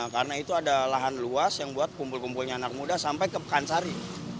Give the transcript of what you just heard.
karena itu ada lahan luas yang buat kumpul kumpulnya anak muda sampai ke pekansari